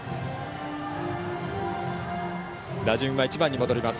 打順は１番に戻ります。